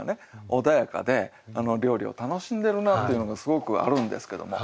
穏やかで料理を楽しんでるなっていうのがすごくあるんですけども。